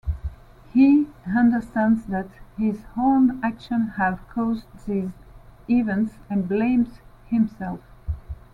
He understands that his own actions have caused these events and blames himself.